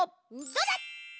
どうだ？